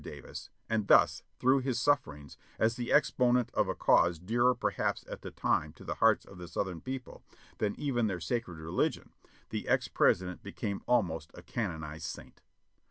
Davis, and thus, through his sufferings, as the exponent of a cause dearer perhaps at that time to the hearts of the Southern people than even their sacred religion, the ex President became almost a canonized saint.